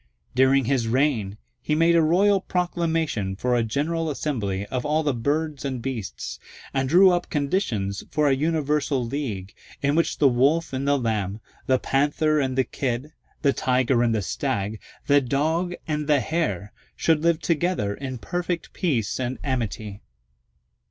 During his reign he made a royal proclamation for a general assembly of all the birds and beasts, and drew up conditions for a universal league, in which the Wolf and the Lamb, the Panther and the Kid, the Tiger and the Stag, the Dog and the Hare, should live together in perfect peace and amity.